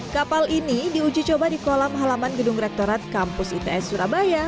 kapal ini diuji coba di kolam halaman gedung rektorat kampus its surabaya